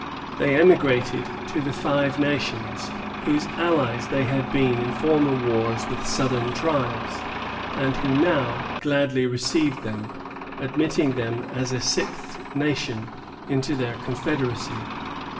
They emigrated to the Five Nations, whose allies they had been in former wars with southern tribes, and who now gladly received them, admitting them as a sixth nation, into their confederacy.